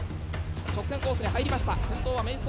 直線コースに入りました。